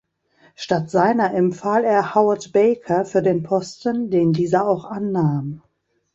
Statt seiner empfahl er Howard Baker für den Posten, den dieser auch annahm.